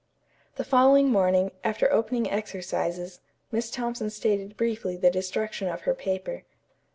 The following morning, after opening exercises, Miss Thompson stated briefly the destruction of her paper.